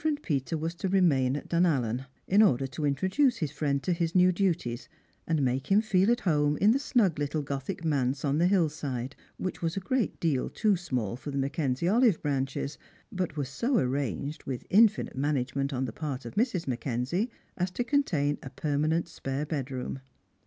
Peter was to remain at Dunallen, in order to introduce his friend to his new duties, and make him feel at home in the snug little gothic mause on the hill side, which was a great deal too small for the Mackenzie olive branches, but was so arranged, with infinite management on the part of Mrs. Mackenzie, as to contain a permanent spare bedroom.